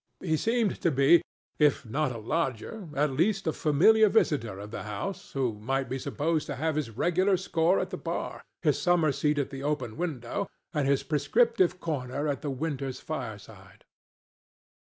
He seemed to be, if not a lodger, at least a familiar visitor of the house who might be supposed to have his regular score at the bar, his summer seat at the open window and his prescriptive corner at the winter's fireside.